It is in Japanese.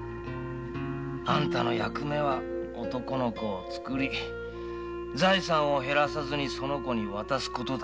「あんたの役目は男の子をつくり財産を減らさず子に渡すことだ」